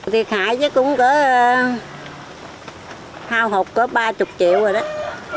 thiệt hại chắc cũng có hao hộp có ba mươi triệu rồi đấy